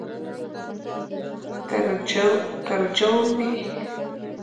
ترژومۍ